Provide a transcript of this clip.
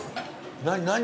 何？